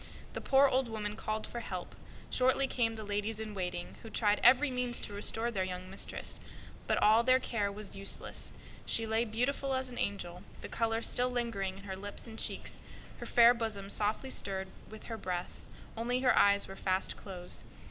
The poor old woman called for help; shortly came the ladies in waiting, who tried every means to restore their young mistress; but all in vain. She lay, beautiful as an angel, the color still lingering in her lips and cheeks, her fair bosom softly stirred with her breath; only her eyes were fast closed.